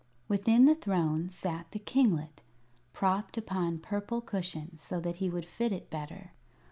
Within the throne sat the kinglet, propped upon purple cushions, so that he would fit it better.